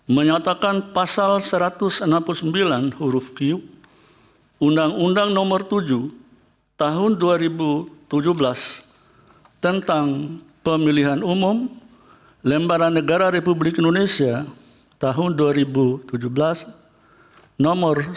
dua menyatakan pasal satu ratus enam puluh sembilan huruf q undang undang no tujuh tahun dua ribu tujuh belas tentang pemilihan umum lembara negara republik indonesia tahun dua ribu tujuh belas no satu ratus delapan puluh dua